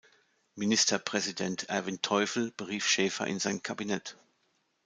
Ministerpräsident Erwin Teufel berief Schäfer in sein Kabinett.